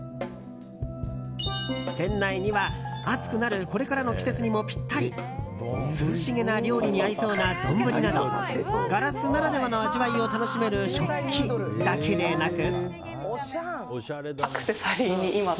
店内には、暑くなるこれからの季節にもぴったり涼しげな料理に合いそうな丼などガラスならではの味わいを楽しめる食器だけでなく。